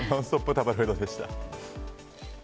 タブロイドでした。